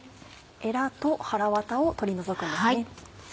エラとはらわたを取り除くんですね。